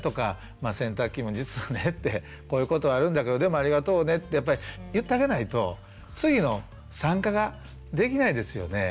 洗濯機も「実はね」ってこういうことあるんだけどでもありがとうねってやっぱり言ってあげないと次の参加ができないですよね。